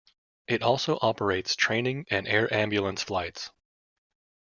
It also operates training and air ambulance flights.